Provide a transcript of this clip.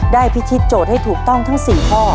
พิธีโจทย์ให้ถูกต้องทั้ง๔ข้อ